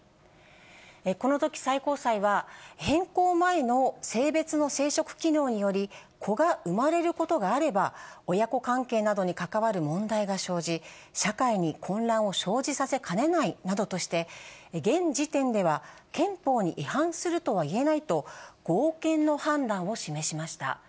このとき、最高裁は、変更前の性別の生殖機能により、子が生まれることがあれば、親子関係などに関わる問題が生じ、社会に混乱を生じさせかねないなどとして、現時点では憲法に違反するとは言えないと、合憲の判断を示しました。